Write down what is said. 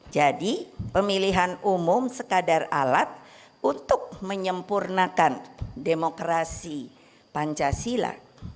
jadi pemilihan umum sekadar alat untuk menyempurnakan demokrasi pancasila